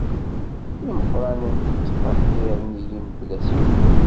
Imeqqranen ttqehhiren-iyi mebla ssebba.